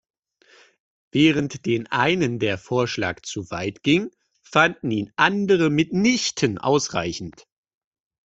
Während den einen der Vorschlag zu weit ging, fanden ihn andere mitnichten ausreichend.